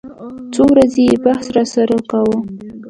څو ورځې يې بحث راسره وکو.